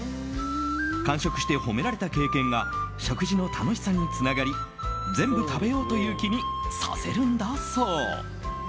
完食して褒められた経験が食事の楽しさにつながり全部食べようという気にさせるんだそう。